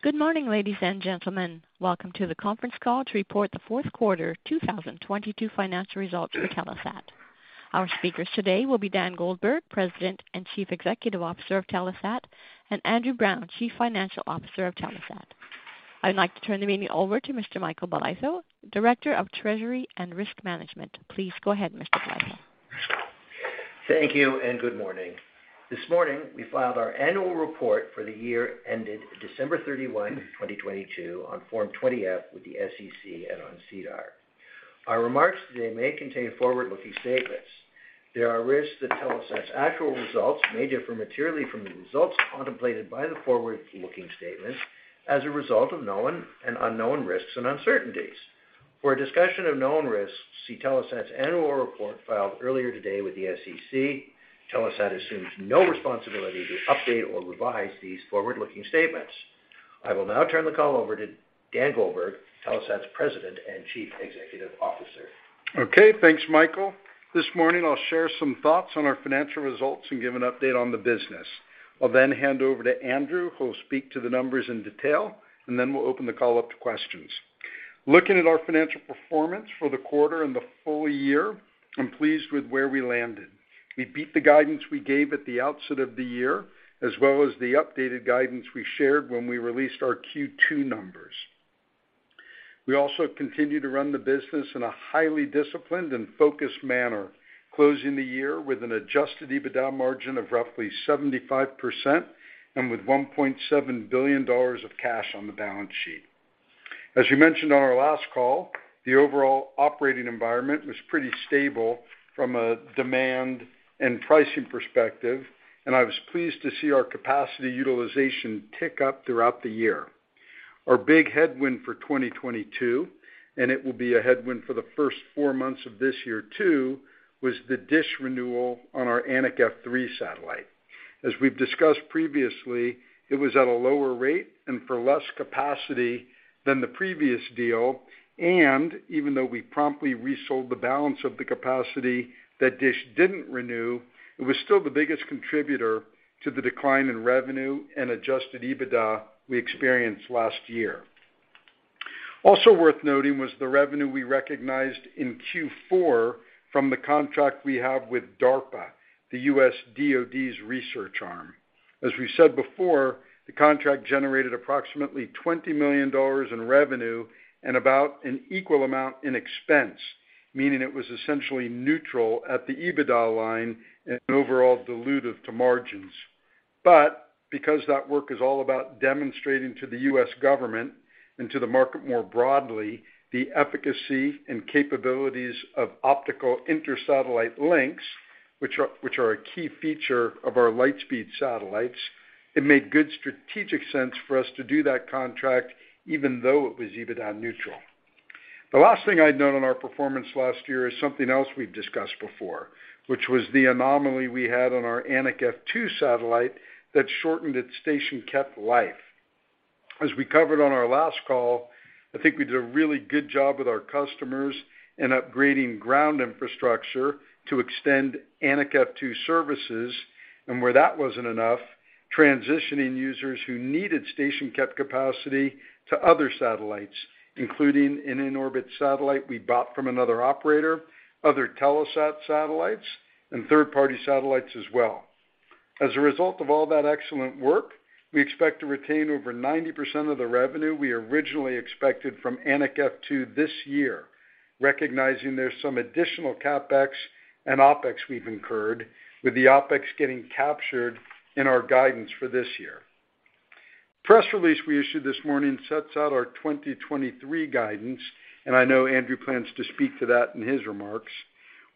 Good morning, ladies and gentlemen. Welcome to the conference call to report the fourth quarter 2022 financial results for Telesat. Our speakers today will be Dan Goldberg, President and Chief Executive Officer of Telesat, and Andrew Browne, Chief Financial Officer of Telesat. I'd like to turn the meeting over to Mr. Michael Bolitho, Director of Treasury and Risk Management. Please go ahead, Mr. Bolitho. Thank you, good morning. This morning, we filed our annual report for the year ended December 31, 2022 on Form 20-F with the SEC and on SEDAR. Our remarks today may contain forward-looking statements. There are risks that Telesat's actual results may differ materially from the results contemplated by the forward-looking statements as a result of known and unknown risks and uncertainties. For a discussion of known risks, see Telesat's annual report filed earlier today with the SEC. Telesat assumes no responsibility to update or revise these forward-looking statements. I will now turn the call over to Dan Goldberg, Telesat's President and Chief Executive Officer. Okay, thanks, Michael. This morning I'll share some thoughts on our financial results and give an update on the business. I'll then hand over to Andrew, who will speak to the numbers in detail, and then we'll open the call up to questions. Looking at our financial performance for the quarter and the full year, I'm pleased with where we landed. We beat the guidance we gave at the outset of the year, as well as the updated guidance we shared when we released our Q2 numbers. We also continue to run the business in a highly disciplined and focused manner, closing the year with an Adjusted EBITDA margin of roughly 75% and with $1.7 billion of cash on the balance sheet. As you mentioned on our last call, the overall operating environment was pretty stable from a demand and pricing perspective, and I was pleased to see our capacity utilization tick up throughout the year. Our big headwind for 2022, and it will be a headwind for the first 4 months of this year too, was the DISH renewal on our Anik F3 satellite. As we've discussed previously, it was at a lower rate and for less capacity than the previous deal, and even though we promptly resold the balance of the capacity that DISH didn't renew, it was still the biggest contributor to the decline in revenue and Adjusted EBITDA we experienced last year. Also worth noting was the revenue we recognized in Q4 from the contract we have with DARPA, the US DoD's research arm. The contract generated approximately 20 million dollars in revenue and about an equal amount in expense, meaning it was essentially neutral at the EBITDA line and overall dilutive to margins. Because that work is all about demonstrating to the U.S. government and to the market more broadly, the efficacy and capabilities of optical inter-satellite links, which are a key feature of our Lightspeed satellites, it made good strategic sense for us to do that contract even though it was EBITDA neutral. The last thing I'd note on our performance last year is something else we've discussed before, which was the anomaly we had on our Anik F2 satellite that shortened its station-kept life. As we covered on our last call, I think we did a really good job with our customers in upgrading ground infrastructure to extend Anik F2 services, and where that wasn't enough, transitioning users who needed station-kept capacity to other satellites, including an in-orbit satellite we bought from another operator, other Telesat satellites, and third-party satellites as well. As a result of all that excellent work, we expect to retain over 90% of the revenue we originally expected from Anik F2 this year, recognizing there's some additional CapEx and OpEx we've incurred, with the OpEx getting captured in our guidance for this year. Press release we issued this morning sets out our 2023 guidance. I know Andrew plans to speak to that in his remarks.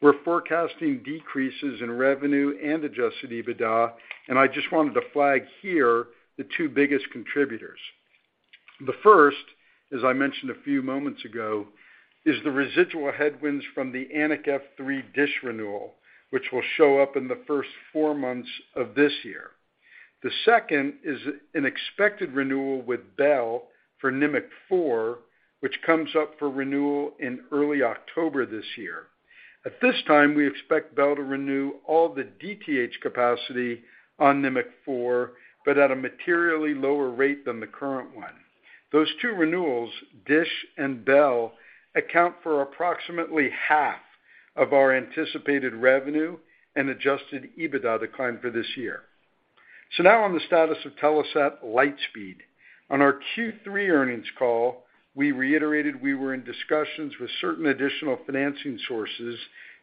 We're forecasting decreases in revenue and Adjusted EBITDA. I just wanted to flag here the two biggest contributors. The first, as I mentioned a few moments ago, is the residual headwinds from the Anik F3 DISH renewal, which will show up in the first four months of this year. The second is an expected renewal with Bell for Nimiq 4, which comes up for renewal in early October this year. At this time, we expect Bell to renew all the DTH capacity on Nimiq 4, but at a materially lower rate than the current one. Those two renewals, DISH and Bell, account for approximately half of our anticipated revenue and Adjusted EBITDA decline for this year. Now on the status of Telesat Lightspeed. On our Q3 earnings call, we reiterated we were in discussions with certain additional financing sources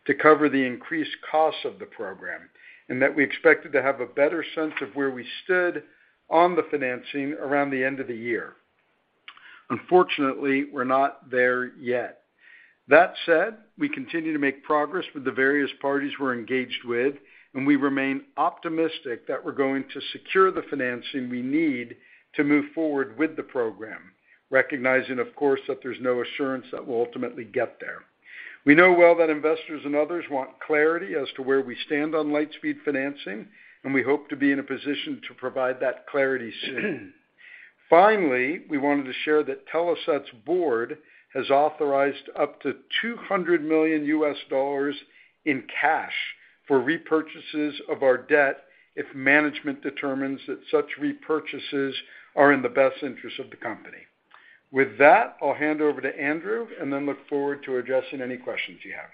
to cover the increased costs of the program, that we expected to have a better sense of where we stood on the financing around the end of the year. Unfortunately, we're not there yet. That said, we continue to make progress with the various parties we're engaged with, we remain optimistic that we're going to secure the financing we need to move forward with the program, recognizing of course that there's no assurance that we'll ultimately get there. We know well that investors and others want clarity as to where we stand on Lightspeed financing, we hope to be in a position to provide that clarity soon. Finally, we wanted to share that Telesat's board has authorized up to $200 million in cash for repurchases of our debt if management determines that such repurchases are in the best interest of the company. With that, I'll hand over to Andrew, and then look forward to addressing any questions you have.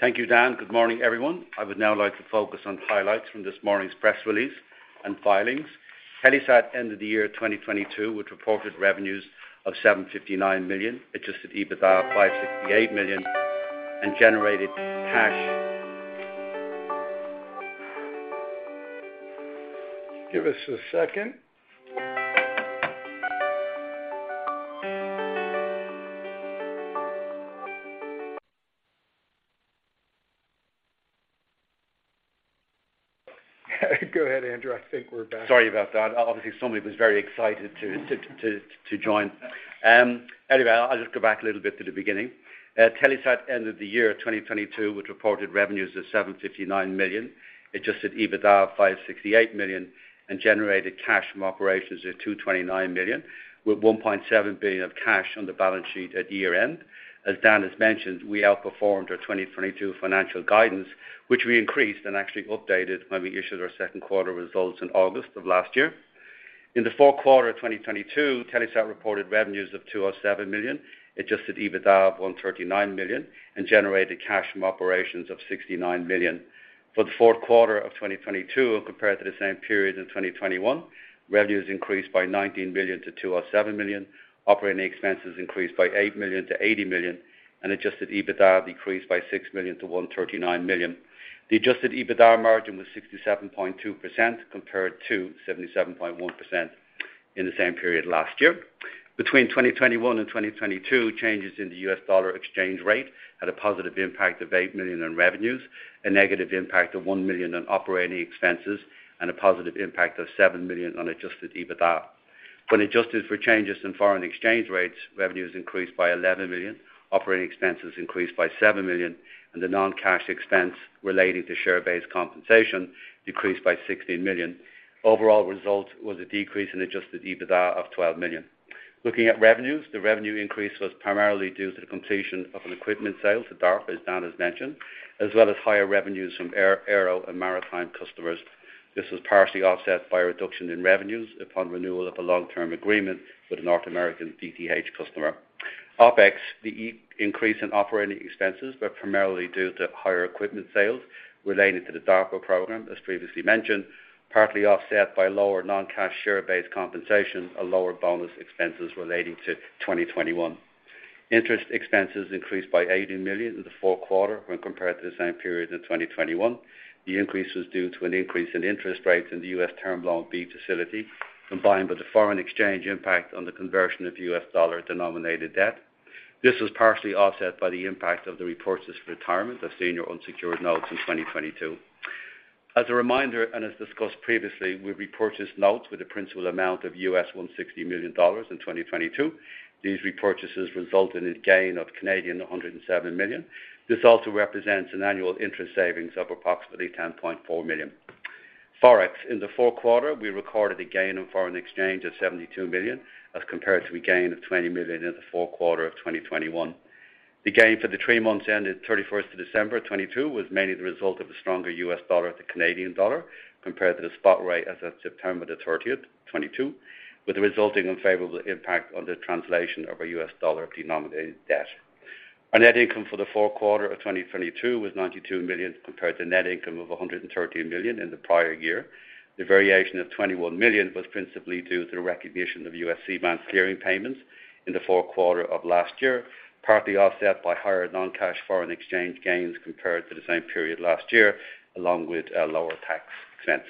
Thank you, Dan. Good morning, everyone. I would now like to focus on highlights from this morning's press release and filings. Telesat ended the year 2022 with reported revenues of $759 million, Adjusted EBITDA of $568 million, and generated cash- Give us a second. Go ahead, Andrew. I think we're back. Sorry about that. Obviously, somebody was very excited to join. Anyway, I'll just go back a little bit to the beginning. Telesat ended the year 2022 with reported revenues of 759 million, Adjusted EBITDA of 568 million, and generated cash from operations of 229 million, with 1.7 billion of cash on the balance sheet at year-end. As Dan has mentioned, we outperformed our 2022 financial guidance, which we increased and actually updated when we issued our second quarter results in August of last year. In the fourth quarter of 2022, Telesat reported revenues of 207 million, Adjusted EBITDA of 139 million, and generated cash from operations of 69 million. For the fourth quarter of 2022 when compared to the same period in 2021, revenues increased by 19 million-207 million, operating expenses increased by 8 million-80 million, and Adjusted EBITDA decreased by 6 million-139 million. The Adjusted EBITDA margin was 67.2% compared to 77.1% in the same period last year. Between 2021 and 2022, changes in the U.S. dollar exchange rate had a positive impact of 8 million in revenues, a negative impact of 1 million in operating expenses, and a positive impact of 7 million on Adjusted EBITDA. When adjusted for changes in foreign exchange rates, revenues increased by 11 million, operating expenses increased by 7 million, and the non-cash expense relating to share-based compensation decreased by 16 million. Overall result was a decrease in Adjusted EBITDA of 12 million. Looking at revenues, the revenue increase was primarily due to the completion of an equipment sale to DARPA, as Dan has mentioned, as well as higher revenues from air, aero and maritime customers. This was partially offset by a reduction in revenues upon renewal of a long-term agreement with a North American DTH customer. OpEx, the increase in operating expenses were primarily due to higher equipment sales relating to the DARPA program, as previously mentioned, partly offset by lower non-cash share-based compensation and lower bonus expenses relating to 2021. Interest expenses increased by $80 million in the fourth quarter when compared to the same period in 2021. The increase was due to an increase in interest rates in the U.S. term loan B facility, combined with the foreign exchange impact on the conversion of U.S. dollar-denominated debt. This was partially offset by the impact of the repurchases retirement of senior unsecured notes in 2022. As a reminder, as discussed previously, we repurchased notes with a principal amount of $160 million in 2022. These repurchases result in a gain of 107 million. This also represents an annual interest savings of approximately 10.4 million. Forex, in the fourth quarter, we recorded a gain on foreign exchange of 72 million as compared to a gain of 20 million in the fourth quarter of 2021. The gain for the three months ended 31st of December 2022 was mainly the result of a stronger U.S. dollar to Canadian dollar compared to the spot rate as of September the 30th, 2022, with a resulting unfavorable impact on the translation of our U.S. dollar-denominated debt. Our net income for the fourth quarter of 2022 was $92 million compared to net income of $113 million in the prior year. The variation of $21 million was principally due to the recognition of U.S. C-band clearing payments in the fourth quarter of last year, partly offset by higher non-cash foreign exchange gains compared to the same period last year, along with lower tax expense.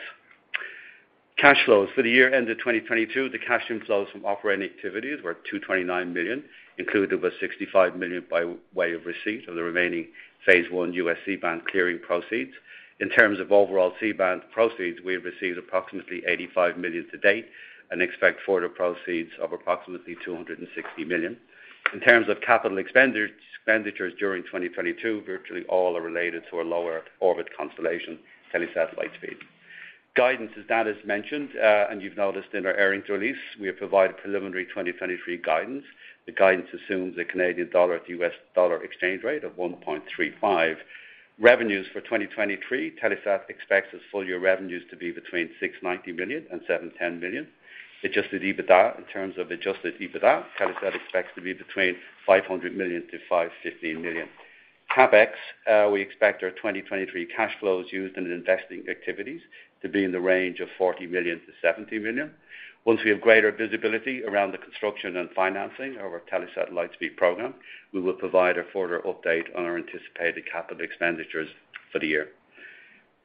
Cash flows for the year ended 2022, the cash inflows from operating activities were $229 million, included was $65 million by way of receipt of the remaining phase one U.S. C-band clearing proceeds. In terms of overall C-band proceeds, we have received approximately $85 million to date and expect further proceeds of approximately $260 million. In terms of capital expenditures during 2022, virtually all are related to our lower orbit constellation, Telesat Lightspeed. Guidance, as Dan has mentioned, and you've noticed in our earnings release, we have provided preliminary 2023 guidance. The guidance assumes a Canadian dollar to U.S. dollar exchange rate of 1.35. Revenues for 2023, Telesat expects its full year revenues to be between 690 million and 710 million. Adjusted EBITDA, in terms of Adjusted EBITDA, Telesat expects to be between 500 million-515 million. CapEx, we expect our 2023 cash flows used in investing activities to be in the range of 40 million-70 million. Once we have greater visibility around the construction and financing of our Telesat Lightspeed program, we will provide a further update on our anticipated capital expenditures for the year.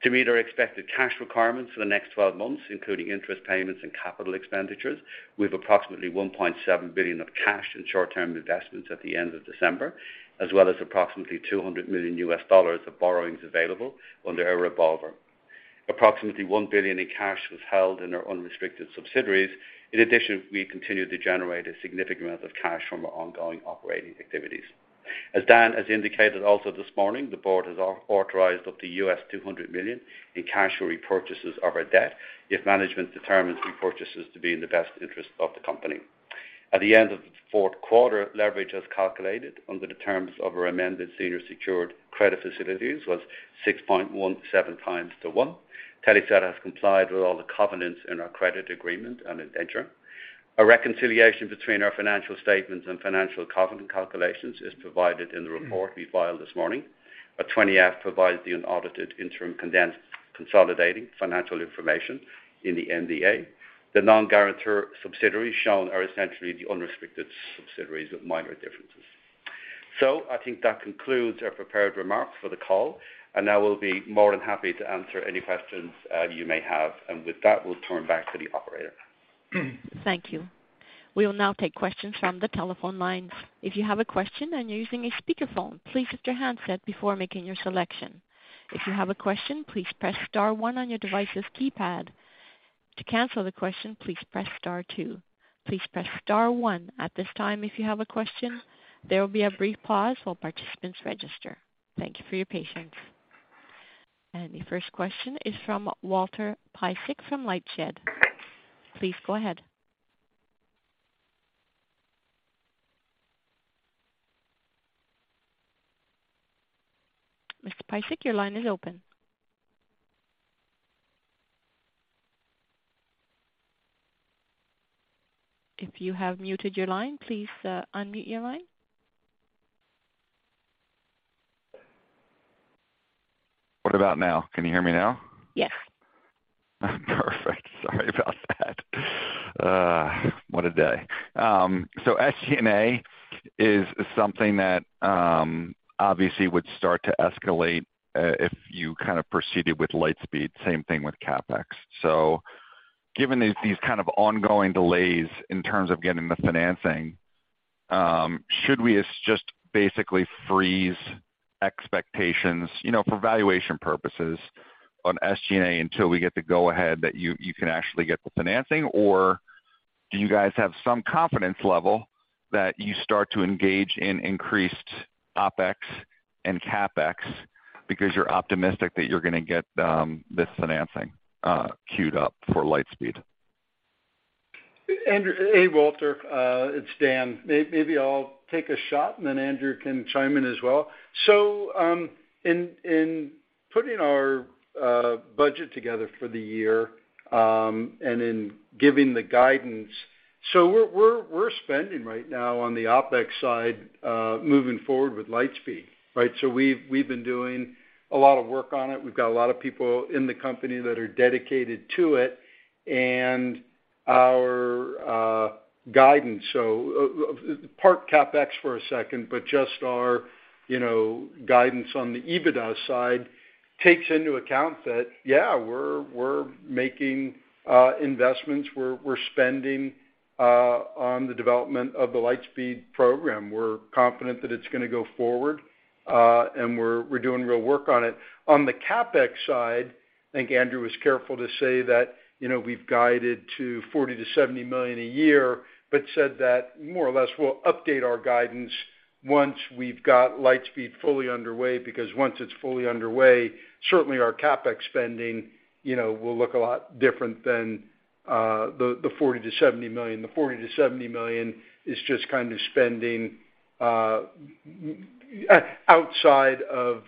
To meet our expected cash requirements for the next 12 months, including interest payments and capital expenditures, we have approximately $1.7 billion of cash and short-term investments at the end of December, as well as approximately $200 million of borrowings available under our revolver. Approximately $1 billion in cash was held in our unrestricted subsidiaries. In addition, we continue to generate a significant amount of cash from our ongoing operating activities. As Dan has indicated also this morning, the board has authorized up to $200 million in cash or repurchases of our debt if management determines repurchases to be in the best interest of the company. At the end of the fourth quarter, leverage as calculated under the terms of our amended senior secured credit facilities was 6.17x the one. Telesat has complied with all the covenants in our credit agreement and indenture. A reconciliation between our financial statements and financial covenant calculations is provided in the report we filed this morning. A 20-F provides the unaudited interim condensed consolidating financial information in the MDA. The non-guarantor subsidiaries shown are essentially the unrestricted subsidiaries with minor differences. I think that concludes our prepared remarks for the call, and I will be more than happy to answer any questions you may have. With that, we'll turn back to the operator. Thank you. We will now take questions from the telephone lines. If you have a question and you're using a speakerphone, please mute your handset before making your selection. If you have a question, please press star one on your device's keypad. To cancel the question, please press star two. Please press star one at this time if you have a question. There will be a brief pause while participants register. Thank you for your patience. The first question is from Walter Piecyk from Lightshed. Please go ahead. Mr. Piecyk, your line is open. If you have muted your line, please unmute your line. What about now? Can you hear me now? Yes. Perfect. Sorry about that. What a day. SG&A is something that obviously would start to escalate if you kind of proceeded with Lightspeed, same thing with CapEx. Given these kind of ongoing delays in terms of getting the financing, should we just basically freeze expectations, you know, for valuation purposes on SG&A until we get the go ahead that you can actually get the financing? Or do you guys have some confidence level that you start to engage in increased OpEx and CapEx because you're optimistic that you're gonna get this financing queued up for Lightspeed? Andrew. Hey, Walter. It's Dan. Maybe I'll take a shot and then Andrew can chime in as well. In putting our budget together for the year, and in giving the guidance. We're spending right now on the OpEx side, moving forward with Lightspeed, right? We've been doing a lot of work on it. We've got a lot of people in the company that are dedicated to it and our guidance. Park CapEx for a second, but just our, you know, guidance on the EBITDA side takes into account that, yeah, we're making investments. We're spending on the development of the Lightspeed program. We're confident that it's gonna go forward, and we're doing real work on it. On the CapEx side, I think Andrew was careful to say that, you know, we've guided to 40 million-70 million a year, but said that more or less we'll update our guidance once we've got Lightspeed fully underway. Because once it's fully underway, certainly our CapEx spending, you know, will look a lot different than the 40 million-70 million. The 40 million-70 million is just kind of spending outside of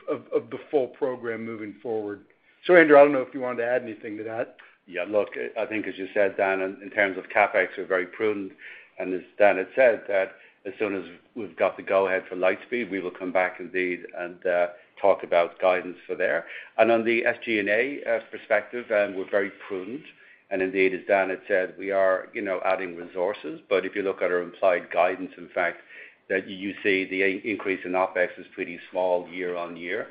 the full program moving forward. Andrew, I don't know if you want to add anything to that. Yeah. Look, I think as you said, Dan, in terms of CapEx, we're very prudent. As Dan had said, that as soon as we've got the go ahead for Lightspeed, we will come back indeed and talk about guidance for there. On the SG&A perspective, we're very prudent. Indeed, as Dan had said, we are, you know, adding resources. If you look at our implied guidance, in fact, that you see the increase in OpEx is pretty small year-on-year.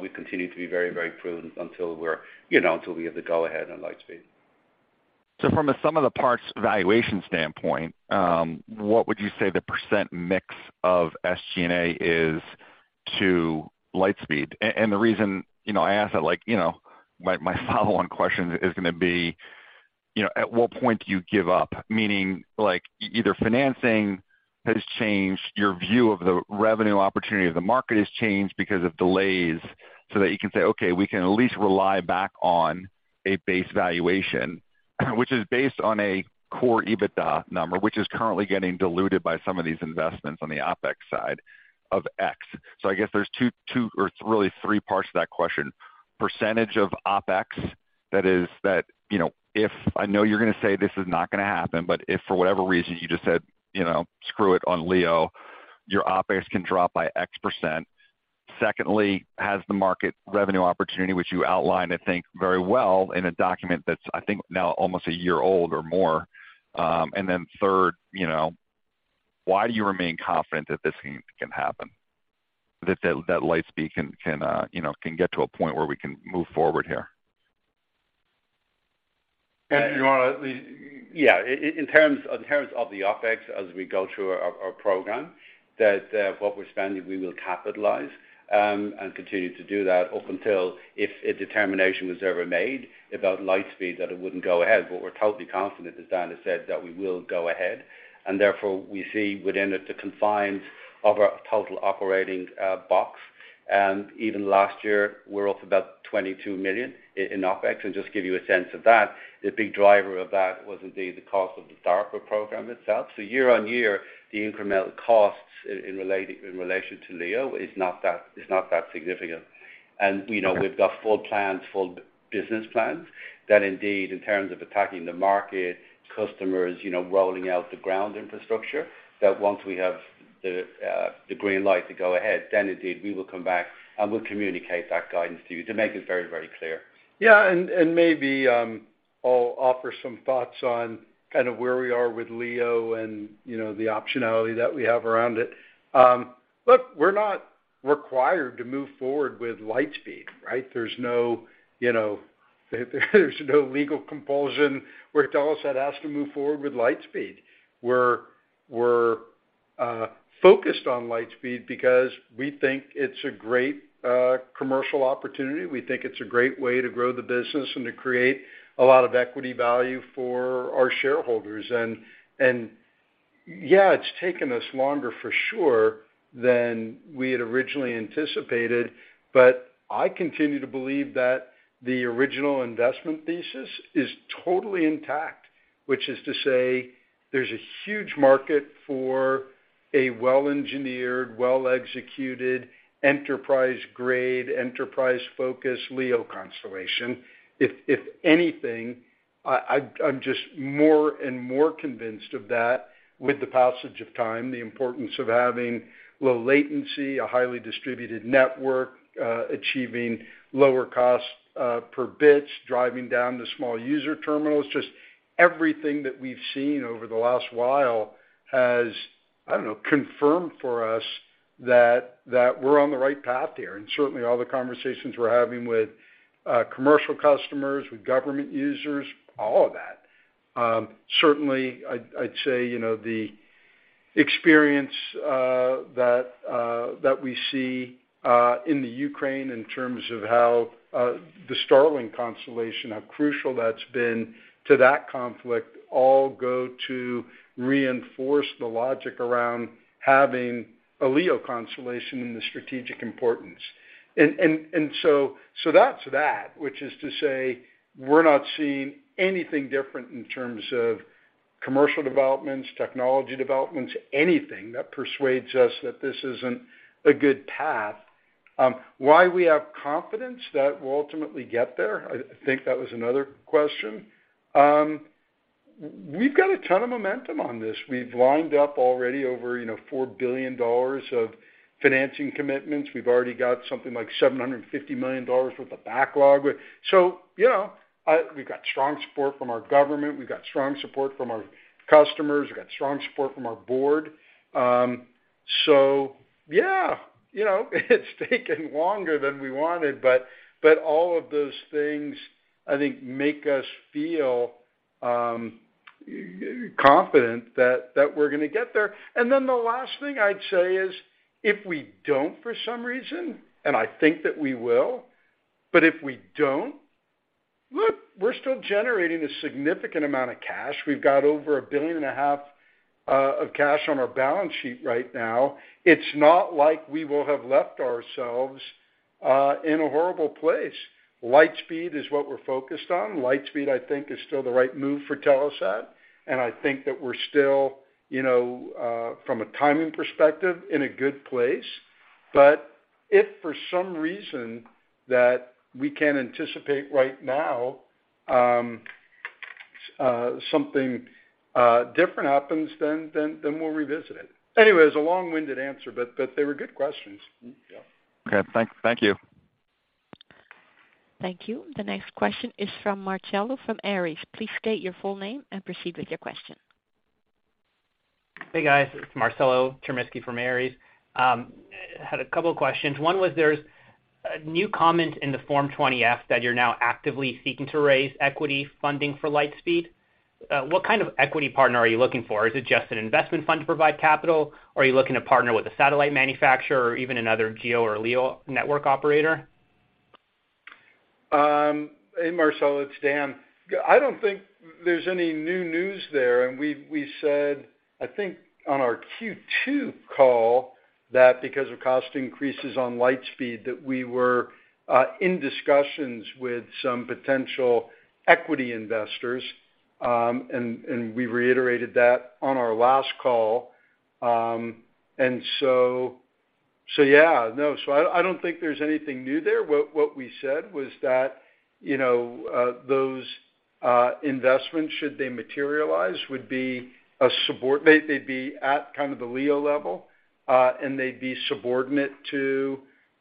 We continue to be very, very prudent until we're, you know, until we have the go ahead on Lightspeed. From a sum of the parts valuation standpoint, what would you say the percent mix of SG&A is to Lightspeed? The reason, you know, I ask that, like, you know, my follow on question is gonna be, you know, at what point do you give up? Meaning, like, either financing has changed your view of the revenue opportunity, or the market has changed because of delays so that you can say, "Okay, we can at least rely back on a base valuation," which is based on a core EBITDA number, which is currently getting diluted by some of these investments on the OpEx side of X. I guess there's two, or really three parts to that question. Percentage of OpEx that is, you know, if I know you're gonna say this is not gonna happen, but if for whatever reason you just said, you know, screw it on LEO, your OpEx can drop by X%. Secondly, has the market revenue opportunity, which you outlined, I think, very well in a document that's, I think, now almost a year old or more. Then third, you know, why do you remain confident that this can happen, that Lightspeed can, you know, can get to a point where we can move forward here? Yeah. In terms of the OpEx as we go through our program, that what we're spending, we will capitalize and continue to do that up until if a determination was ever made about Lightspeed that it wouldn't go ahead. We're totally confident, as Dan has said, that we will go ahead and therefore we see within the confines of our total operating box. Even last year, we're up about $22 million in OpEx. Just give you a sense of that, the big driver of that was indeed the cost of the DARPA program itself. Year-over-year, the incremental costs in relation to LEO is not that significant. You know, we've got full plans, full business plans that indeed, in terms of attacking the market, customers, you know, rolling out the ground infrastructure, that once we have the green light to go ahead, then indeed we will come back and we'll communicate that guidance to you to make it very, very clear. Maybe, I'll offer some thoughts on kind of where we are with LEO and, you know, the optionality that we have around it. Look, we're not required to move forward with Lightspeed, right? There's no, you know, there's no legal compulsion where Telesat has to move forward with Lightspeed. We're focused on Lightspeed because we think it's a great commercial opportunity. We think it's a great way to grow the business and to create a lot of equity value for our shareholders. Yeah, it's taken us longer for sure than we had originally anticipated, but I continue to believe that the original investment thesis is totally intact, which is to say there's a huge market for a well-engineered, well-executed enterprise grade, enterprise-focused LEO constellation. If anything, I'm just more and more convinced of that with the passage of time, the importance of having low latency, a highly distributed network, achieving lower cost per bits, driving down the small user terminals. Just everything that we've seen over the last while has, I don't know, confirmed for us that we're on the right path here. Certainly all the conversations we're having with commercial customers, with government users, all of that. Certainly I'd say, you know, the experience that we see in the Ukraine in terms of how the Starlink constellation, how crucial that's been to that conflict all go to reinforce the logic around having a LEO constellation and the strategic importance. That's that, which is to say we're not seeing anything different in terms of commercial developments, technology developments, anything that persuades us that this isn't a good path. Why we have confidence that we'll ultimately get there, I think that was another question. We've got a ton of momentum on this. We've lined up already over, you know, $4 billion of financing commitments. We've already got something like $750 million worth of backlog. you know, we've got strong support from our government. We've got strong support from our customers. We've got strong support from our board. yeah, you know, it's taken longer than we wanted, but all of those things, I think, make us feel confident that we're gonna get there. The last thing I'd say is if we don't for some reason, and I think that we will, but if we don't, look, we're still generating a significant amount of cash. We've got over $1.5 billion of cash on our balance sheet right now. It's not like we will have left ourselves in a horrible place. Lightspeed is what we're focused on. Lightspeed, I think, is still the right move for Telesat, and I think that we're still, you know, from a timing perspective, in a good place. If for some reason that we can't anticipate right now, something different happens, then we'll revisit it. It was a long-winded answer, but they were good questions. Yeah. Okay. Thank you. Thank you. The next question is from Marcelo from Ares. Please state your full name and proceed with your question. Hey, guys. It's Marcelo Chermisqui from Ares. Had a couple of questions. One was there's a new comment in the Form 20-F that you're now actively seeking to raise equity funding for Lightspeed. What kind of equity partner are you looking for? Is it just an investment fund to provide capital, or are you looking to partner with a satellite manufacturer or even another GEO or LEO network operator? Hey, Marcelo. It's Dan. I don't think there's any new news there. We said, I think on our Q2 call that because of cost increases on Lightspeed that we were in discussions with some potential equity investors, and we reiterated that on our last call. Yeah, no. I don't think there's anything new there. What we said was that, you know, those investments, should they materialize, would be a subordinate. They'd be at kind of the LEO level, and they'd be subordinate to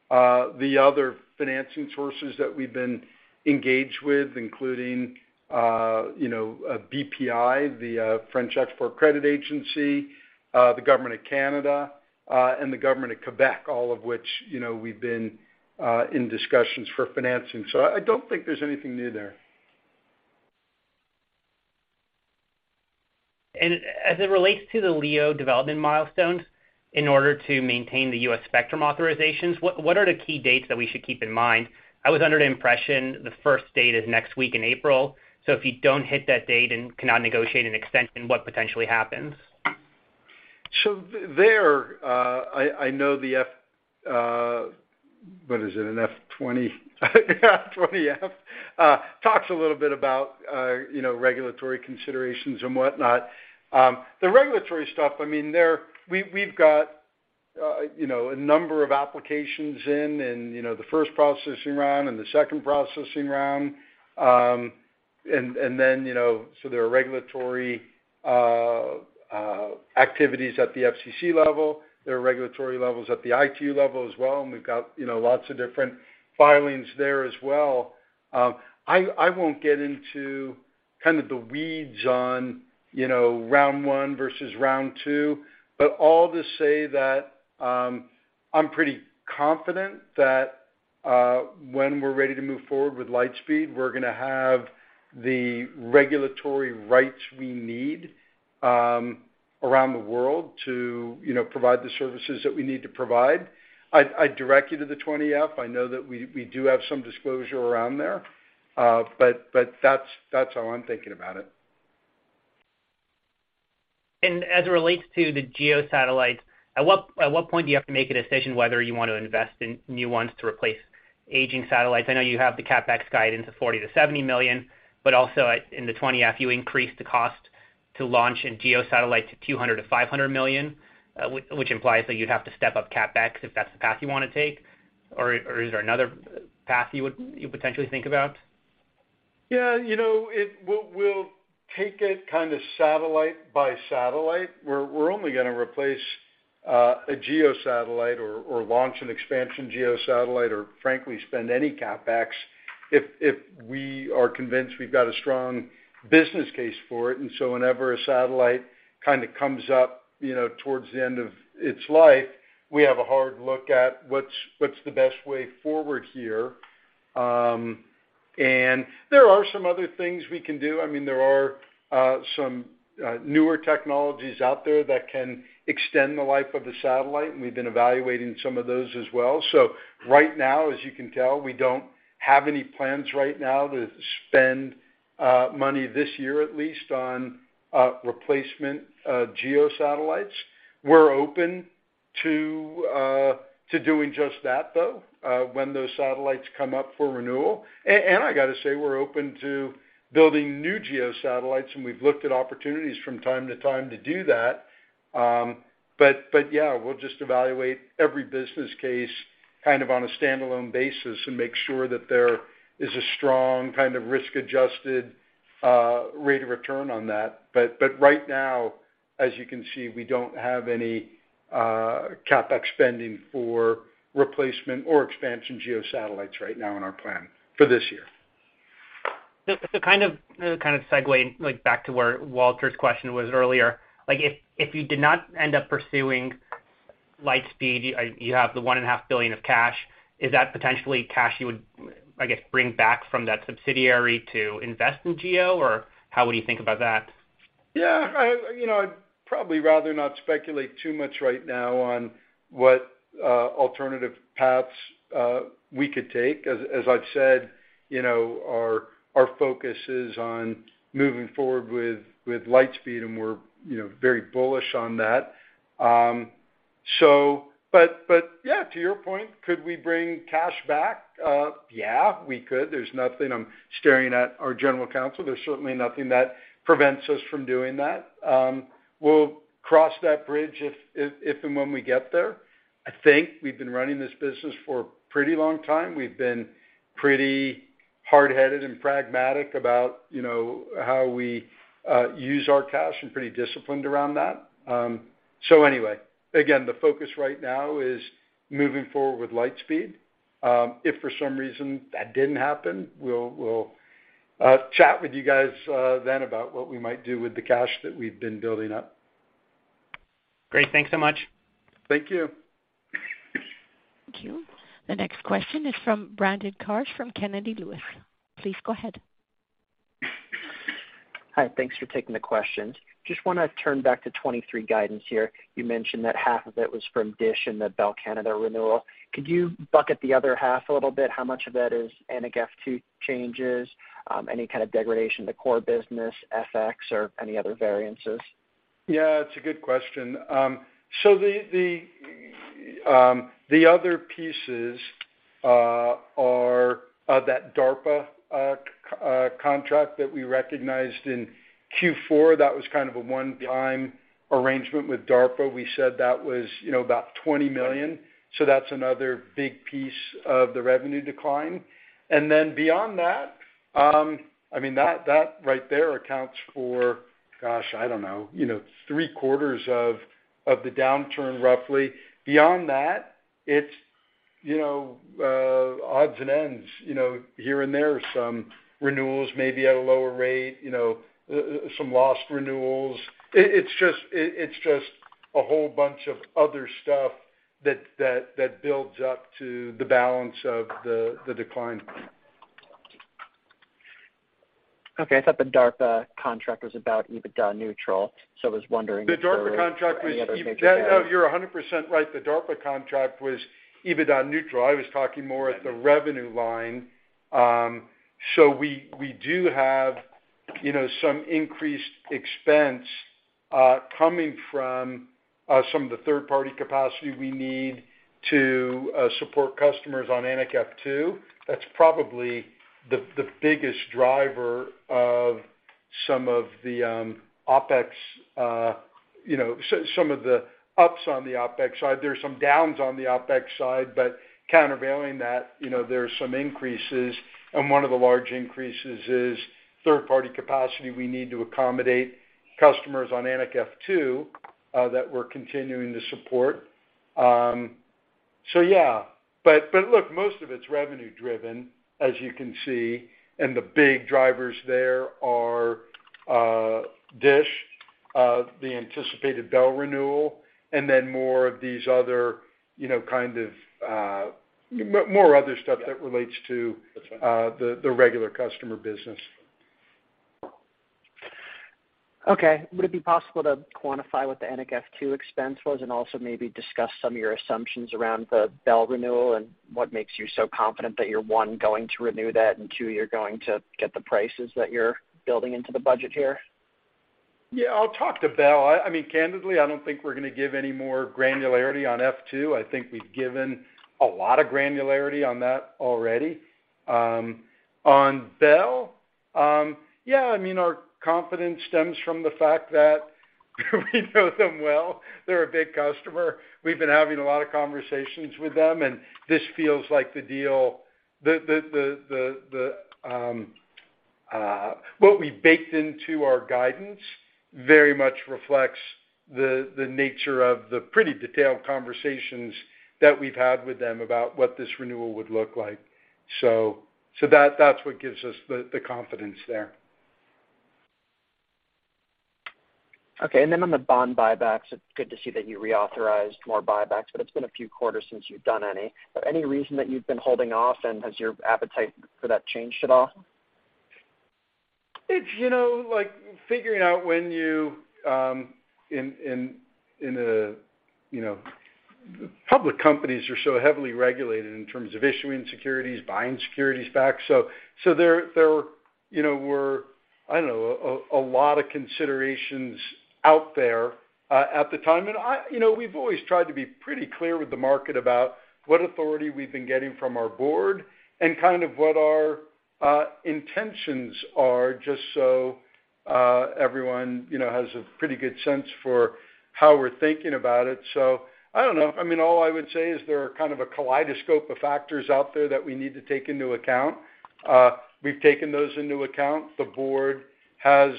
the other financing sources that we've been engaged with, including, you know, BPI, the French Export Credit Agency, the Government of Canada, and the Government of Quebec, all of which, you know, we've been in discussions for financing. I don't think there's anything new there. As it relates to the LEO development milestones, in order to maintain the U.S. spectrum authorizations, what are the key dates that we should keep in mind? I was under the impression the first date is next week in April. If you don't hit that date and cannot negotiate an extension, what potentially happens? There, I know the, what is it? An F-20? F-20F talks a little bit about, you know, regulatory considerations and whatnot. The regulatory stuff, I mean, we've got, you know, a number of applications in, you know, the first processing round and the second processing round. You know, there are regulatory activities at the FCC level. There are regulatory levels at the ITU level as well, we've got, you know, lots of different filings there as well. I won't get into kind of the weeds on, you know, round one versus round two, but all to say that, I'm pretty confident that, when we're ready to move forward with Lightspeed, we're gonna have the regulatory rights we need, around the world to, you know, provide the services that we need to provide. I'd direct you to the 20-F. I know that we do have some disclosure around there. That's how I'm thinking about it. As it relates to the GEO satellites, at what point do you have to make a decision whether you want to invest in new ones to replace aging satellites? I know you have the CapEx guidance of $40 million-$70 million, but also in the 20-F, you increased the cost to launch a GEO satellite to $200 million-$500 million, which implies that you'd have to step up CapEx if that's the path you wanna take. Or, is there another path you potentially think about? Yeah. You know, we'll take it kind of satellite by satellite. We're only gonna replace a GEO satellite or launch an expansion GEO satellite, or frankly spend any CapEx if we are convinced we've got a strong business case for it. Whenever a satellite kind of comes up, you know, towards the end of its life, we have a hard look at what's the best way forward here. There are some other things we can do. I mean, there are some newer technologies out there that can extend the life of the satellite, and we've been evaluating some of those as well. Right now, as you can tell, we don't have any plans right now to spend money this year, at least, on replacement GEO satellites. We're open to doing just that, though, when those satellites come up for renewal. I gotta say, we're open to building new GEO satellites, and we've looked at opportunities from time to time to do that. Yeah, we'll just evaluate every business case kind of on a standalone basis and make sure that there is a strong kind of risk-adjusted rate of return on that. Right now, as you can see, we don't have any CapEx spending for replacement or expansion GEO satellites right now in our plan for this year. Kind of segueing like back to where Walter's question was earlier. Like, if you did not end up pursuing Lightspeed, you have the $1.5 billion of cash, is that potentially cash you would, I guess, bring back from that subsidiary to invest in GEO? Or how would you think about that? Yeah. I, you know, I'd probably rather not speculate too much right now on what alternative paths we could take. As I've said, you know, our focus is on moving forward with Lightspeed, and we're, you know, very bullish on that. But yeah, to your point, could we bring cash back? Yeah, we could. There's nothing, I'm staring at our general counsel, there's certainly nothing that prevents us from doing that. We'll cross that bridge if and when we get there. I think we've been running this business for a pretty long time. We've been pretty hard-headed and pragmatic about, you know, how we use our cash and pretty disciplined around that. Anyway, again, the focus right now is moving forward with Lightspeed. If for some reason that didn't happen, we'll chat with you guys then about what we might do with the cash that we've been building up. Great. Thanks so much. Thank you. Thank you. The next question is from Brandon Karsch from Kennedy Lewis. Please go ahead. Hi. Thanks for taking the questions. Just wanna turn back to 2023 guidance here. You mentioned that half of it was from DISH and the Bell Canada renewal. Could you bucket the other half a little bit? How much of that is NF2 changes, any kind of degradation to core business, FX or any other variances? Yeah, it's a good question. So the other pieces are that DARPA contract that we recognized in Q4. That was kind of a one-time arrangement with DARPA. We said that was, you know, about $20 million, so that's another big piece of the revenue decline. Beyond that, I mean, that right there accounts for, gosh, I don't know, you know, three-quarters of the downturn, roughly. Beyond that, it's, you know, odds and ends. You know, here and there are some renewals maybe at a lower rate, you know, some lost renewals. It's just, it's just a whole bunch of other stuff that builds up to the balance of the decline. Okay. I thought the DARPA contract was about EBITDA neutral, so I was wondering if there were- The DARPA contract was EB. Any other major drivers? Yeah. No, you're 100% right. The DARPA contract was EBITDA neutral. I was talking more at the revenue line. We, we do have, you know, some increased expense coming from some of the third-party capacity we need to support customers on Anik F2. That's probably the biggest driver of some of the OpEx, you know, some of the ups on the OpEx side. There's some downs on the OpEx side, but countervailing that, you know, there are some increases, and one of the large increases is third-party capacity we need to accommodate customers on Anik F2 that we're continuing to support. Yeah. Look, most of it's revenue driven, as you can see, and the big drivers there are DISH, the anticipated Bell renewal, and then more of these other, you know, kind of, more other stuff that relates to. That's fine. The regular customer business. Okay. Would it be possible to quantify what the Anik F2 expense was and also maybe discuss some of your assumptions around the Bell renewal and what makes you so confident that you're, one, going to renew that, and two, you're going to get the prices that you're building into the budget here? Yeah, I mean, candidly, I don't think we're gonna give any more granularity on F2. I think we've given a lot of granularity on that already. On Bell, yeah, I mean, our confidence stems from the fact that we know them well. They're a big customer. We've been having a lot of conversations with them, and this feels like the deal. The what we baked into our guidance very much reflects the nature of the pretty detailed conversations that we've had with them about what this renewal would look like. So that's what gives us the confidence there. Okay. Then on the bond buybacks, it's good to see that you reauthorized more buybacks, but it's been a few quarters since you've done any. Any reason that you've been holding off, and has your appetite for that changed at all? It's, you know, like figuring out. Public companies are so heavily regulated in terms of issuing securities, buying securities back. There, you know, were, I don't know, a lot of considerations out there at the time. You know, we've always tried to be pretty clear with the market about what authority we've been getting from our board and kind of what our intentions are just so everyone, you know, has a pretty good sense for how we're thinking about it. I don't know. I mean, all I would say is there are kind of a kaleidoscope of factors out there that we need to take into account. We've taken those into account. The board has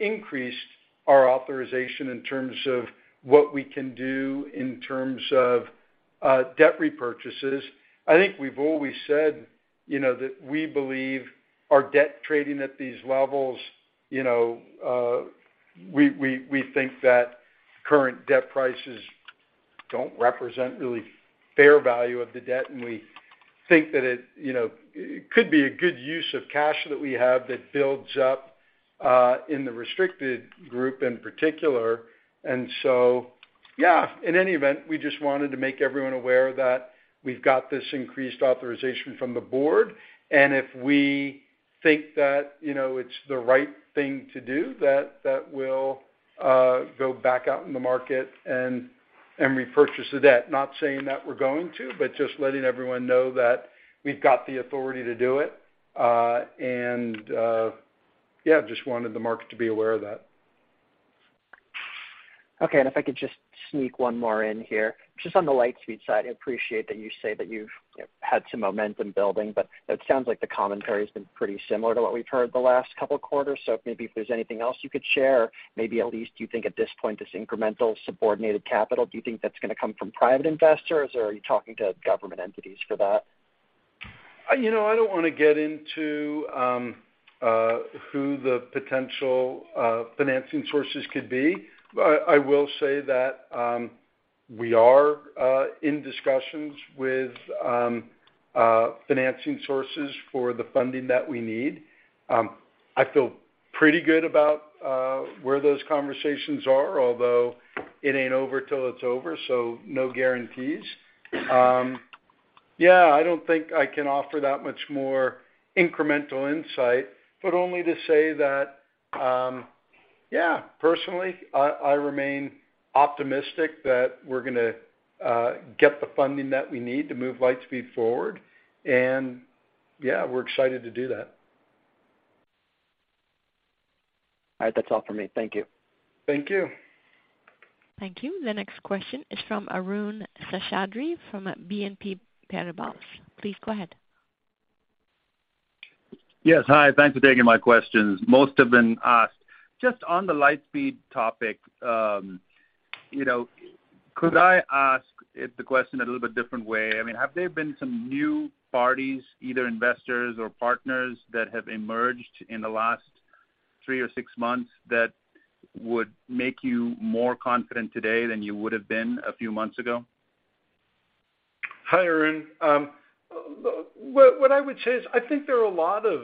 increased our authorization in terms of what we can do in terms of debt repurchases. I think we've always said, you know, that we believe our debt trading at these levels, you know, we think that current debt prices don't represent really fair value of the debt, and we think that it, you know, it could be a good use of cash that we have that builds up in the restricted group in particular. Yeah, in any event, we just wanted to make everyone aware that we've got this increased authorization from the board, and if we think that, you know, it's the right thing to do, that we'll go back out in the market and repurchase the debt. Not saying that we're going to, but just letting everyone know that we've got the authority to do it. Yeah, just wanted the market to be aware of that. Okay. If I could just sneak one more in here. Just on the Lightspeed side, I appreciate that you say that you've, you know, had some momentum building, but it sounds like the commentary has been pretty similar to what we've heard the last couple of quarters. Maybe if there's anything else you could share, maybe at least you think at this point, this incremental subordinated capital, do you think that's gonna come from private investors, or are you talking to government entities for that? You know, I don't wanna get into who the potential financing sources could be. I will say that we are in discussions with financing sources for the funding that we need. I feel pretty good about where those conversations are, although it ain't over till it's over. No guarantees. Yeah, I don't think I can offer that much more incremental insight, but only to say that, yeah, personally, I remain optimistic that we're gonna get the funding that we need to move Lightspeed forward. Yeah, we're excited to do that. All right. That's all for me. Thank you. Thank you. Thank you. The next question is from Arun Seshadri from BNP Paribas. Please go ahead. Yes. Hi. Thanks for taking my questions. Most have been asked. Just on the Lightspeed topic, you know, could I ask the question a little bit different way? I mean, have there been some new parties, either investors or partners, that have emerged in the last three or six months that would make you more confident today than you would have been a few months ago? Hi, Arun. What I would say is, I think there are a lot of,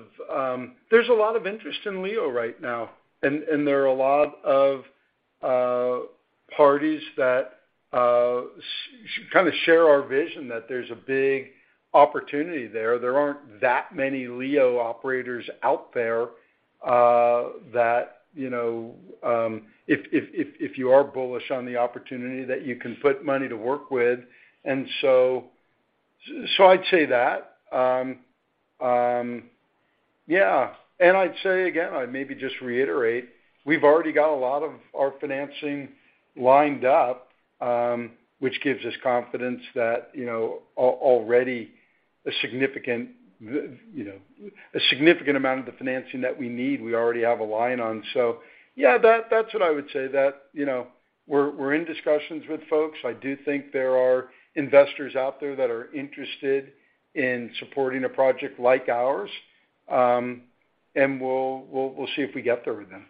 there's a lot of interest in LEO right now, and there are a lot of parties that Kind of share our vision that there's a big opportunity there. There aren't that many LEO operators out there, that, you know, if you are bullish on the opportunity that you can put money to work with. I'd say that. Yeah. I'd say again, I'd maybe just reiterate, we've already got a lot of our financing lined up, which gives us confidence that, you know, already a significant, you know, a significant amount of the financing that we need, we already have a line on. Yeah, that's what I would say. You know, we're in discussions with folks. I do think there are investors out there that are interested in supporting a project like ours. We'll see if we get there with them.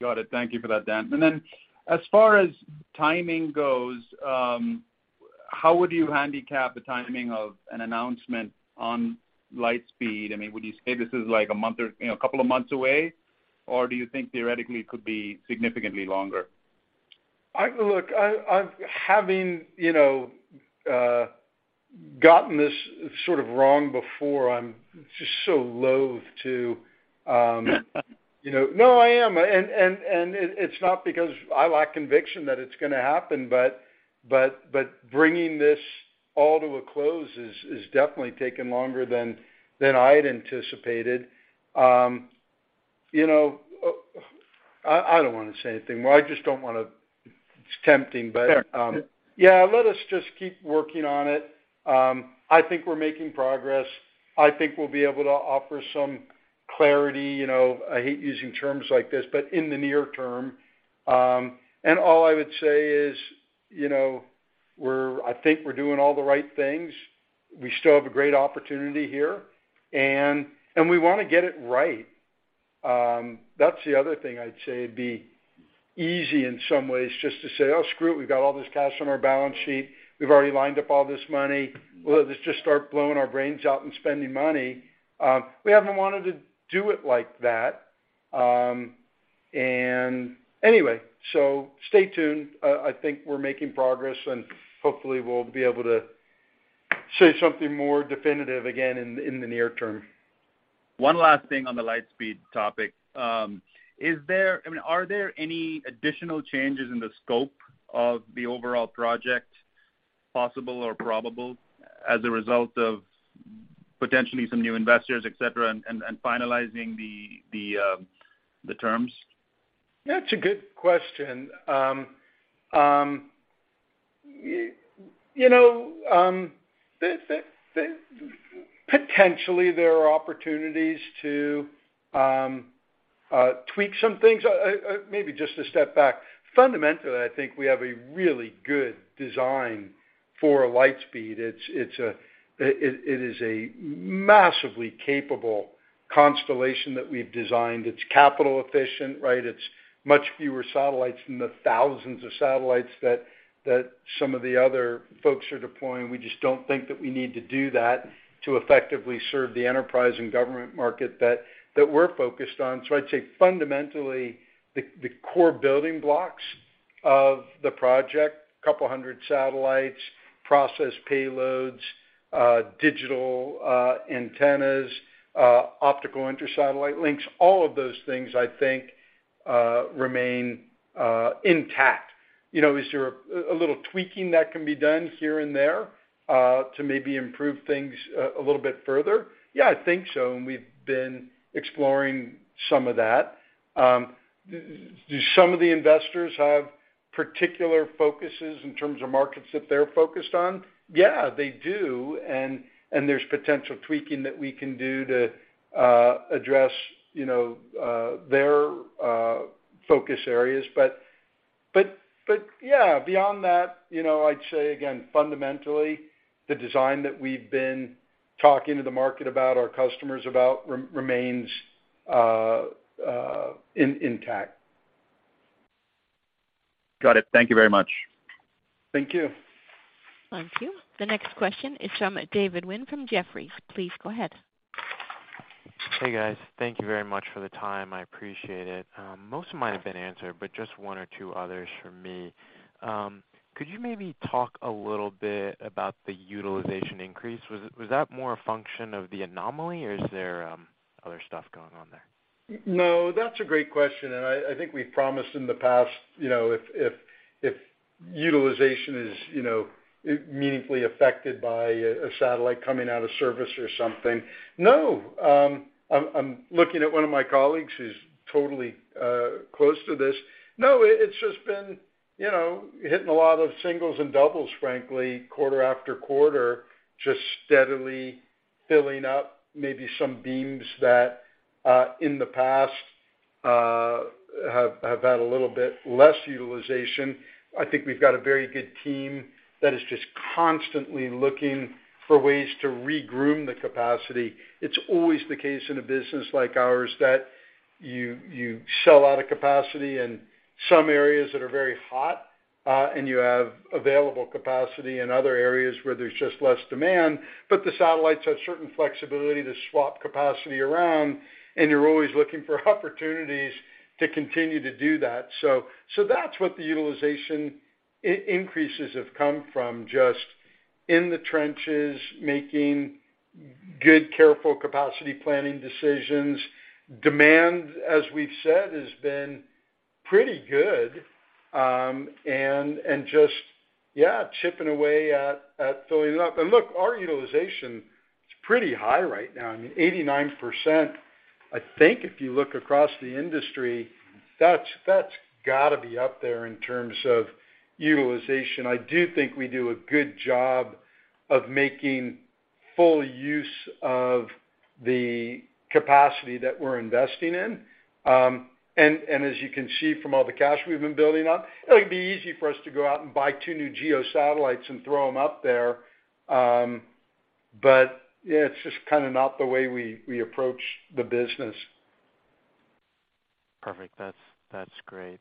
Got it. Thank you for that, Dan. As far as timing goes, how would you handicap the timing of an announcement on Lightspeed? I mean, would you say this is like a month or, you know, a couple of months away, or do you think theoretically it could be significantly longer? Look, Having, you know, gotten this sort of wrong before, I'm just so loathe to, you know. No, I am. It's not because I lack conviction that it's gonna happen, but bringing this all to a close is definitely taken longer than I'd anticipated. You know, I don't wanna say anything. Well, I just don't want to. It's tempting, but. Fair. Yeah, let us just keep working on it. I think we're making progress. I think we'll be able to offer some clarity, you know, I hate using terms like this, but in the near term. All I would say is, I think we're doing all the right things. We still have a great opportunity here, and we wanna get it right. That's the other thing I'd say. It'd be easy in some ways just to say, "Oh, screw it. We've got all this cash on our balance sheet. We've already lined up all this money. Let us just start blowing our brains out and spending money." We haven't wanted to do it like that. Anyway, stay tuned. I think we're making progress, and hopefully, we'll be able to say something more definitive again in the near term. One last thing on the Lightspeed topic. Are there any additional changes in the scope of the overall project possible or probable as a result of potentially some new investors, and finalizing the terms? That's a good question. you know, Potentially, there are opportunities to tweak some things. maybe just a step back. Fundamentally, I think we have a really good design for Lightspeed. It is a massively capable constellation that we've designed. It's capital efficient, right? It's much fewer satellites than the thousands of satellites that some of the other folks are deploying. We just don't think that we need to do that to effectively serve the enterprise and government market that we're focused on. I'd say fundamentally, the core building blocks of the project, couple hundred satellites, processing payloads, digital antennas, optical inter-satellite links, all of those things, I think, remain intact. You know, is there a little tweaking that can be done here and there to maybe improve things a little bit further? Yeah, I think so, and we've been exploring some of that. Do some of the investors have particular focuses in terms of markets that they're focused on? Yeah, they do. And there's potential tweaking that we can do to address, you know, their focus areas. Yeah, beyond that, you know, I'd say again, fundamentally, the design that we've been talking to the market about, our customers about remains intact. Got it. Thank you very much. Thank you. Thank you. The next question is from David Windley from Jefferies. Please go ahead. Hey, guys. Thank you very much for the time. I appreciate it. Most of mine have been answered, but just one or two others from me. Could you maybe talk a little bit about the utilization increase? Was that more a function of the anomaly, or is there other stuff going on there? No, that's a great question. I think we've promised in the past, you know, if, if utilization is, you know, meaningfully affected by a satellite coming out of service or something. No, I'm looking at one of my colleagues who's totally close to this. No, it's just been, you know, hitting a lot of singles and doubles, frankly, quarter after quarter, just steadily filling up maybe some beams that in the past have had a little bit less utilization. I think we've got a very good team that is just constantly looking for ways to regroom the capacity. It's always the case in a business like ours that you sell out of capacity in some areas that are very hot, and you have available capacity in other areas where there's just less demand. The satellites have certain flexibility to swap capacity around, and you're always looking for opportunities to continue to do that. That's what the utilization increases have come from, just in the trenches, good careful capacity planning decisions. Demand, as we've said, has been pretty good. Just, yeah, chipping away at filling it up. Look, our utilization is pretty high right now. I mean, 89%. I think if you look across the industry, that's gotta be up there in terms of utilization. I do think we do a good job of making full use of the capacity that we're investing in. As you can see from all the cash we've been building up, it'll be easy for us to go out and buy two new GEO satellites and throw them up there. Yeah, it's just kind of not the way we approach the business. Perfect. That's great.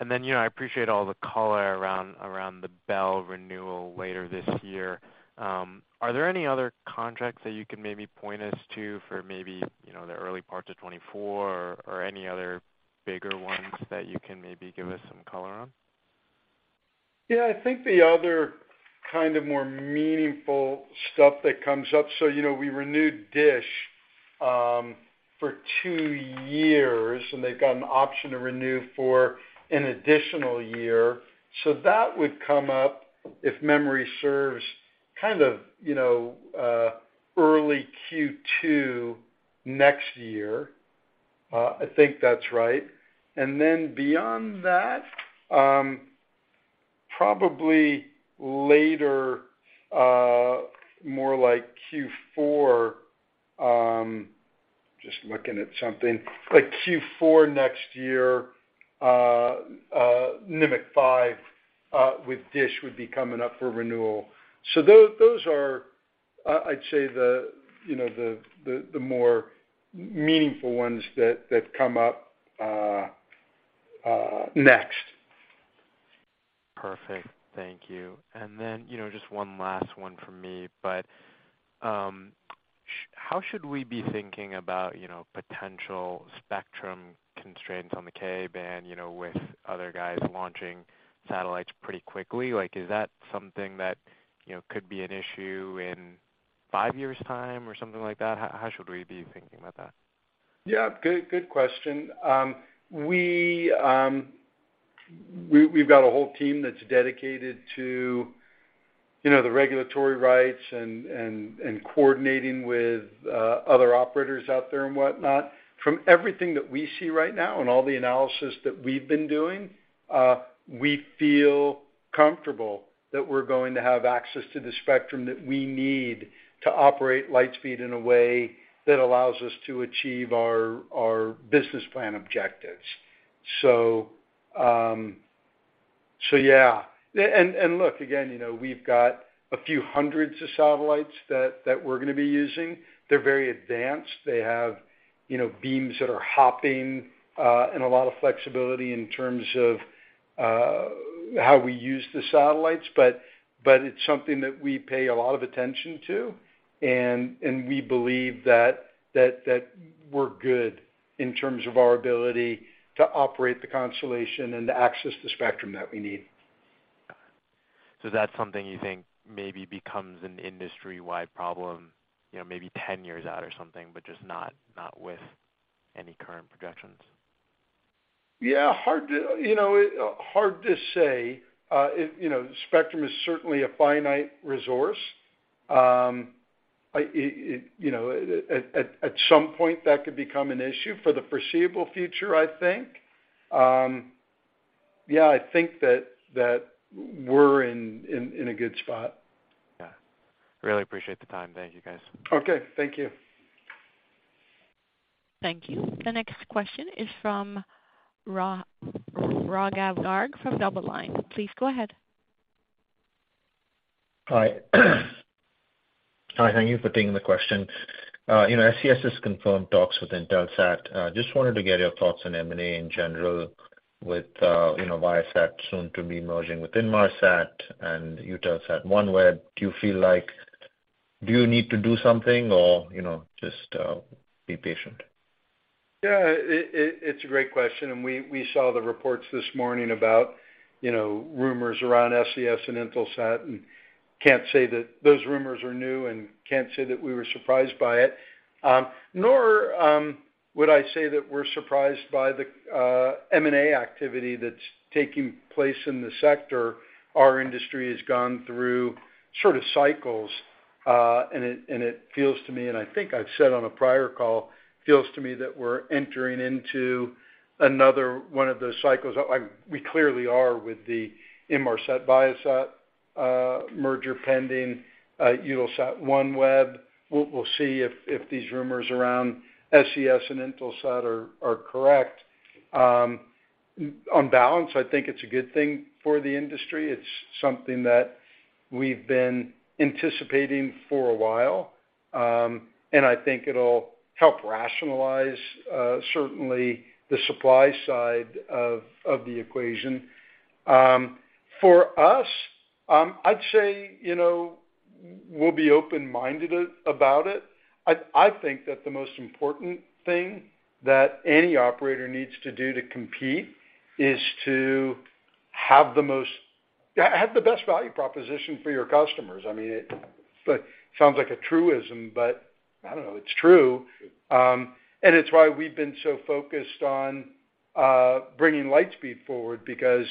You know, I appreciate all the color around the Bell renewal later this year. Are there any other contracts that you can maybe point us to for maybe, you know, the early parts of 2024 or any other bigger ones that you can maybe give us some color on? I think the other kind of more meaningful stuff that comes up. You know, we renewed DISH for two years, and they've got an option to renew for an additional year. That would come up if memory serves kind of, you know, early Q2 next year. I think that's right. Beyond that, probably later, more like Q4, just looking at something. Like Q4 next year, Nimiq 5 with DISH would be coming up for renewal. Those are, I'd say the, you know, the more meaningful ones that come up next. Perfect. Thank you. Then, you know, just one last one from me. how should we be thinking about, you know, potential spectrum constraints on the K band, you know, with other guys launching satellites pretty quickly? Like, is that something that, you know, could be an issue in five years time or something like that? how should we be thinking about that? Good question. We've got a whole team that's dedicated to, you know, the regulatory rights and coordinating with other operators out there and whatnot. From everything that we see right now and all the analysis that we've been doing, we feel comfortable that we're going to have access to the spectrum that we need to operate Lightspeed in a way that allows us to achieve our business plan objectives. Yeah. Look, again, you know, we've got a few hundreds of satellites that we're gonna be using. They're very advanced. They have, you know, beams that are hopping, and a lot of flexibility in terms of how we use the satellites. It's something that we pay a lot of attention to, and we believe that we're good in terms of our ability to operate the constellation and to access the spectrum that we need. That's something you think maybe becomes an industry-wide problem, you know, maybe 10 years out or something, but just not with any current projections. Yeah, hard to, you know, hard to say. You know, spectrum is certainly a finite resource. You know, at some point, that could become an issue for the foreseeable future, I think. Yeah, I think that we're in a good spot. Yeah. Really appreciate the time. Thank you, guys. Okay. Thank you. Thank you. The next question is from Raghav Garg from DoubleLine. Please go ahead. Hi. Hi, thank you for taking the question. You know, SES has confirmed talks with Intelsat. Just wanted to get your thoughts on M&A in general with, you know, Viasat soon to be merging with Inmarsat and Eutelsat OneWeb. Do you need to do something or, you know, just be patient? Yeah, it's a great question. We saw the reports this morning about, you know, rumors around SES and Intelsat. Can't say that those rumors are new and can't say that we were surprised by it, nor would I say that we're surprised by the M&A activity that's taking place in the sector. Our industry has gone through sort of cycles, and it feels to me, and I think I've said on a prior call, feels to me that we're entering into another one of those cycles. Like we clearly are with the Inmarsat-Viasat merger pending, Eutelsat OneWeb. We'll see if these rumors around SES and Intelsat are correct. On balance, I think it's a good thing for the industry. It's something that we've been anticipating for a while. I think it'll help rationalize certainly the supply side of the equation. For us, I'd say, you know, we'll be open-minded about it. I think that the most important thing that any operator needs to do to compete is to have the best value proposition for your customers. I mean, it sounds like a truism, but I don't know, it's true. It's why we've been so focused on bringing Lightspeed forward because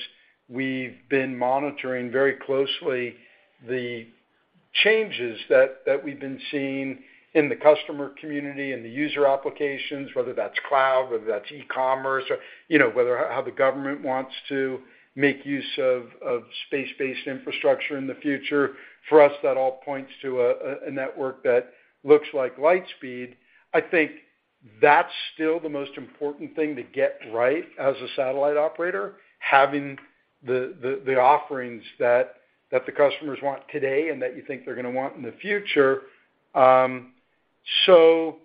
we've been monitoring very closely the changes that we've been seeing in the customer community and the user applications, whether that's cloud, whether that's e-commerce or, you know, whether how the government wants to make use of space-based infrastructure in the future. For us, that all points to a network that looks like Lightspeed. I think that's still the most important thing to get right as a satellite operator, having the offerings that the customers want today and that you think they're gonna want in the future. So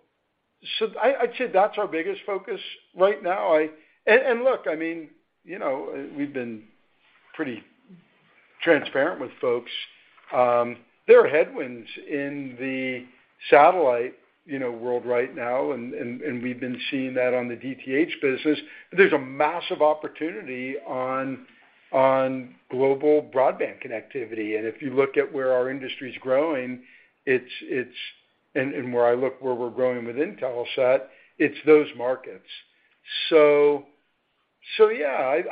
I'd say that's our biggest focus right now. Look, I mean, you know, we've been pretty transparent with folks. There are headwinds in the satellite, you know, world right now, and we've been seeing that on the DTH business. There's a massive opportunity on global broadband connectivity. If you look at where our industry is growing, and where I look, where we're growing within Telesat, it's those markets. Yeah,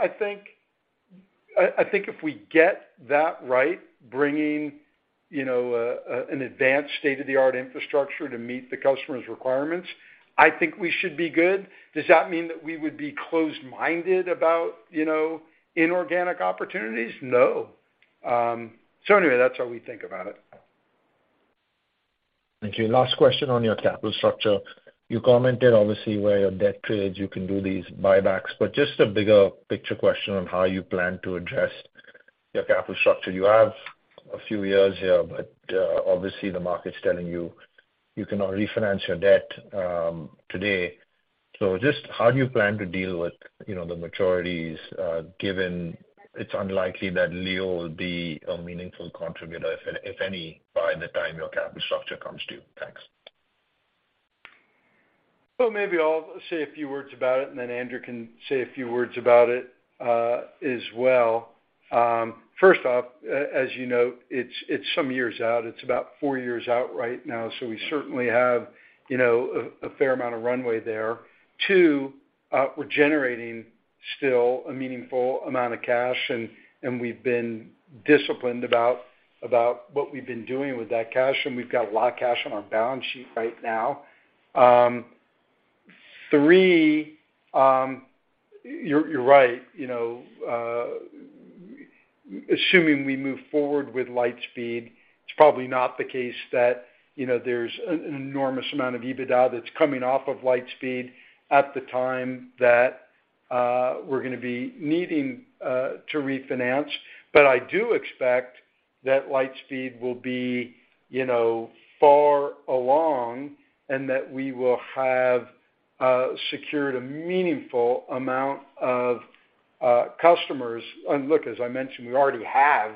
I think if we get that right, bringing, you know, an advanced state-of-the-art infrastructure to meet the customer's requirements, I think we should be good. Does that mean that we would be closed-minded about, you know, inorganic opportunities? No. Anyway, that's how we think about it. Thank you. Last question on your capital structure. You commented obviously where your debt trades, you can do these buybacks, just a bigger picture question on how you plan to address your capital structure. You have a few years here, obviously the market's telling you cannot refinance your debt today. Just how do you plan to deal with, you know, the maturities, given it's unlikely that LEO will be a meaningful contributor, if any, by the time your capital structure comes due? Thanks. Well, maybe I'll say a few words about it. Andrew can say a few words about it as well. First off, as you know, it's some years out. It's about four years out right now. We certainly have, you know, a fair amount of runway there. Two, we're generating still a meaningful amount of cash, and we've been disciplined about what we've been doing with that cash. We've got a lot of cash on our balance sheet right now. Three, you're right. You know, assuming we move forward with Lightspeed, it's probably not the case that, you know, there's an enormous amount of EBITDA that's coming off of Lightspeed at the time that we're gonna be needing to refinance. I do expect that Lightspeed will be, you know, far along and that we will have secured a meaningful amount of customers. Look, as I mentioned, we already have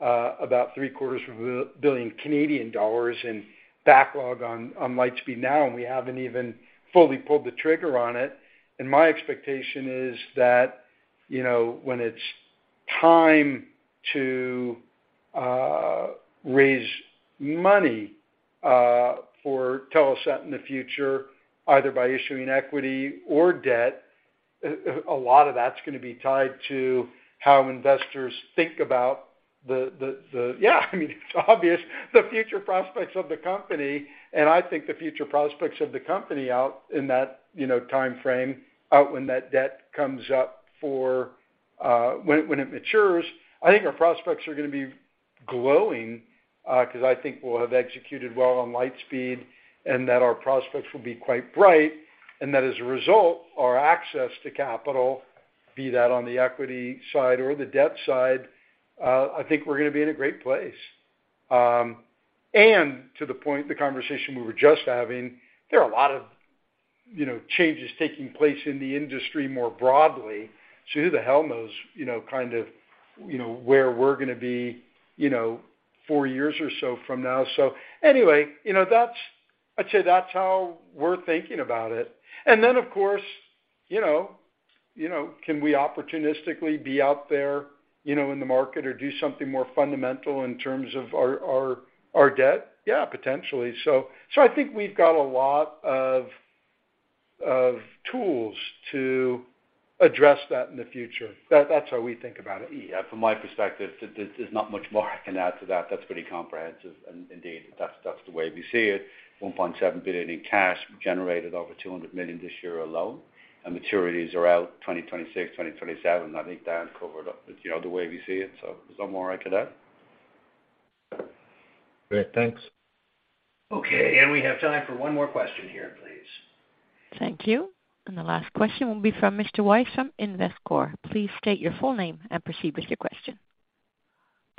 about three-quarters of a billion Canadian dollars in backlog on Lightspeed now, and we haven't even fully pulled the trigger on it. My expectation is that, you know, when it's time to raise money for Telesat in the future, either by issuing equity or debt, a lot of that's gonna be tied to how investors think about the, I mean, it's obvious, the future prospects of the company. I think the future prospects of the company out in that, you know, timeframe, out when that debt comes up for, when it matures, I think our prospects are gonna be glowing, because I think we'll have executed well on Lightspeed and that our prospects will be quite bright. That as a result, our access to capital, be that on the equity side or the debt side, I think we're gonna be in a great place. To the point, the conversation we were just having, there are a lot of, you know, changes taking place in the industry more broadly. Who the hell knows, you know, kind of, you know, where we're gonna be, you know, four years or so from now. Anyway, you know, I'd say that's how we're thinking about it. Of course, you know, can we opportunistically be out there, you know, in the market or do something more fundamental in terms of our debt? Yeah, potentially. I think we've got a lot of tools to address that in the future. That's how we think about it. Yeah, from my perspective, there's not much more I can add to that. That's pretty comprehensive. Indeed, that's the way we see it. 1.7 billion in cash generated over 200 million this year alone. Maturities are out 2026, 2027. I think Dan covered, you know, the way we see it. There's not more I could add. Great. Thanks. Okay, we have time for one more question here, please. Thank you. The last question will be from Mr. Weiss from Investcorp. Please state your full name and proceed with your question.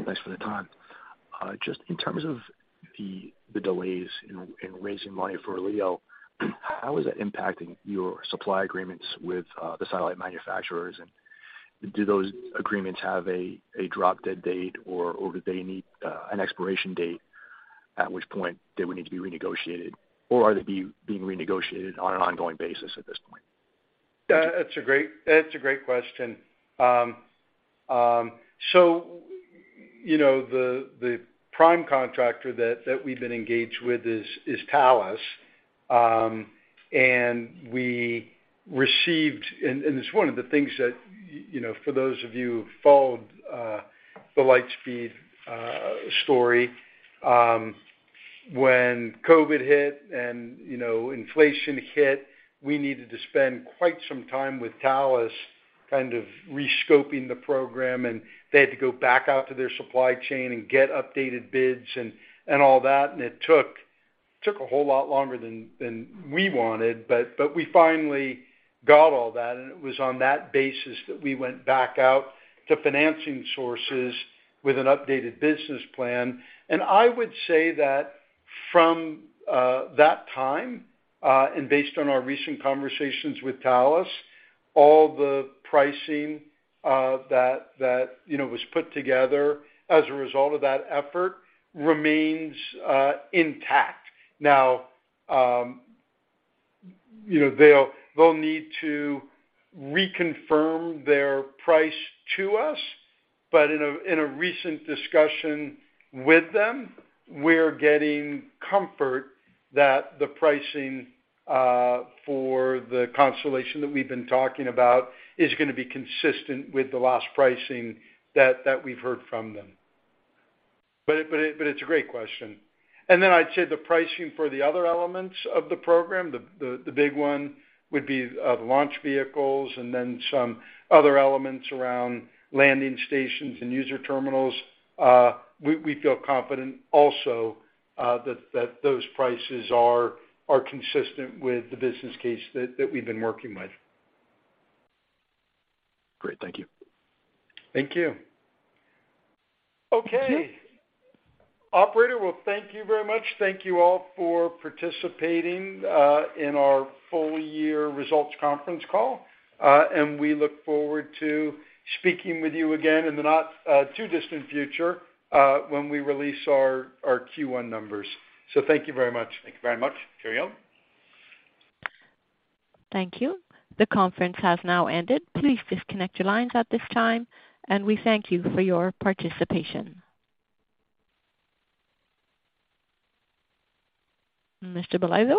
Thanks for the time. Just in terms of the delays in raising money for LEO, how is that impacting your supply agreements with the satellite manufacturers? Do those agreements have a drop dead date, or do they need an expiration date? At which point they would need to be renegotiated or are they being renegotiated on an ongoing basis at this point? That's a great question. you know, the prime contractor that we've been engaged with is Thales. We received. It's one of the things that, you know, for those of you who followed the Lightspeed story, when COVID hit and, you know, inflation hit, we needed to spend quite some time with Thales kind of re-scoping the program, and they had to go back out to their supply chain and get updated bids and all that. It took a whole lot longer than we wanted. We finally got all that, and it was on that basis that we went back out to financing sources with an updated business plan. I would say that from, that time, and based on our recent conversations with Thales, all the pricing, that, you know, was put together as a result of that effort remains intact. You know, they'll need to reconfirm their price to us, but in a recent discussion with them, we're getting comfort that the pricing for the constellation that we've been talking about is gonna be consistent with the last pricing that we've heard from them. It's a great question. Then I'd say the pricing for the other elements of the program, the big one would be the launch vehicles and then some other elements around landing stations and user terminals. We feel confident also that those prices are consistent with the business case that we've been working with. Great. Thank you. Thank you. Okay. Operator, well, thank you very much. Thank you all for participating in our full year results conference call. We look forward to speaking with you again in the not too distant future, when we release our Q1 numbers. Thank you very much. Thank you very much. Carry on. Thank you. The conference has now ended. Please disconnect your lines at this time, and we thank you for your participation. Mr. Balazar.